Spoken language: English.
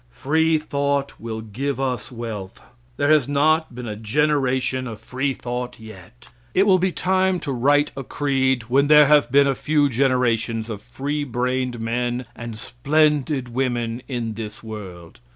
Free thought will give us wealth. There has not been a generation of free thought yet. It will be time to write a creed when there have been a few generations of free brained men and splendid women in this world.